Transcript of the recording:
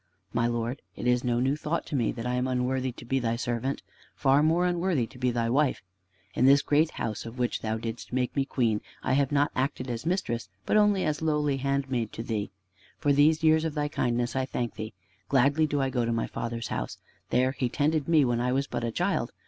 "My Lord, it is no new thought to me, that I am unworthy to be thy servant far more unworthy to be thy wife. In this great house of which thou didst make me queen, I have not acted as mistress, but only as lowly handmaid to thee. For these years of thy kindness, I thank thee. Gladly do I go to my father's house. There he tended me when I was but a child.